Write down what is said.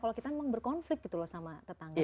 kalau kita memang berkonflik gitu loh sama tetangga